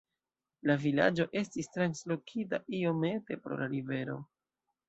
La vilaĝo estis translokita iomete pro la rivero.